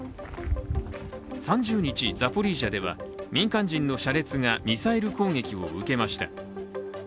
３０日、ザポリージャでは民間人の車列がミサイル攻撃を受けました。